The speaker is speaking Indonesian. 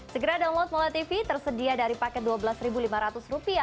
segera download mola tv tersedia dari paket rp dua belas lima ratus